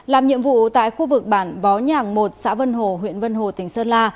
làm nhiệm vụ tại khu vực bản bó nhàng một xã vân hồ huyện vân hồ tỉnh sơn la